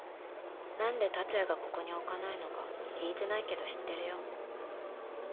［何で竜也がここに置かないのか聞いてないけど知ってるよ］